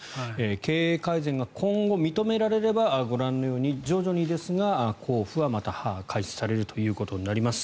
経営改善が今後認められればご覧のように、徐々にですが交付はまた開始されるということになります。